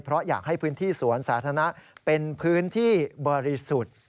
เพราะอยากให้พื้นที่สวนสาธารณะเป็นพื้นที่บริสุทธิ์